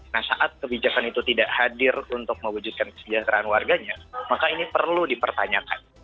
nah saat kebijakan itu tidak hadir untuk mewujudkan kesejahteraan warganya maka ini perlu dipertanyakan